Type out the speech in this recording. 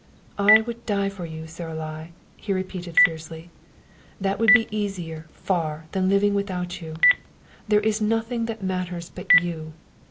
"I would die for you, Saralie!" he repeated fiercely. "That would be easier, far, than living without you. There is nothing that matters but you.